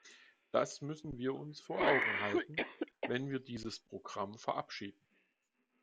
Das müssen wir uns vor Augen halten, wenn wir dieses Programm verabschieden.